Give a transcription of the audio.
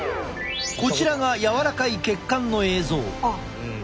こちらが柔らかい血管の映像。